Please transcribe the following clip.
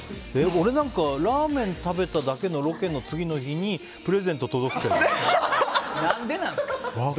俺なんか、ラーメン食べただけのロケの次の日に何でなんですか？